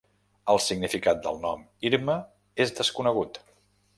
El significat del nom Irma és desconegut.